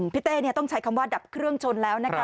เต้ต้องใช้คำว่าดับเครื่องชนแล้วนะคะ